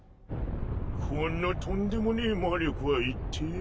このとんでもねぇ魔力は一体。